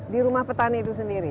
di rumah petani itu sendiri